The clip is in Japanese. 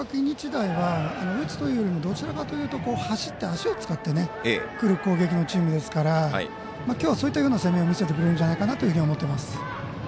日大は打つというよりもどちらかというと走って足を使ってくる攻撃のチームですからきょうはそういったような攻めを見せてくれるんじゃないかなと思います。